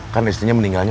kan istrinya meninggalnya